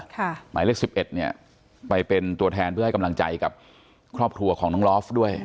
หมายเลข๑๑เนี่ยไปเป็นตัวแทนเพื่อให้กำลังใจกับครอบครัวของน้องลอฟด้วย